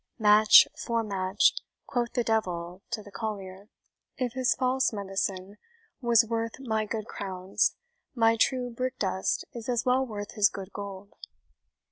Match for match, quoth the devil to the collier; if his false medicine was worth my good crowns, my true brick dust is as well worth his good gold."